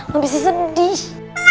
gak bisa sedih